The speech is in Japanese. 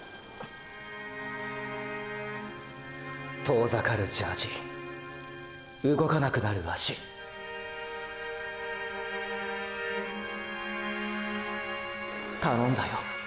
遠ざかるジャージ動かなくなる脚頼んだよ